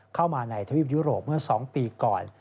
เข้ามาในทวีปยุโรปเมื่อ๒ปีก่อน